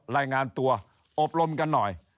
รายงานตัวอบรมกันหน่อย